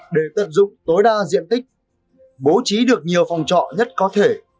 để tận dụng tối đa diện tích bố trí được nhiều phòng trọ nhất có thể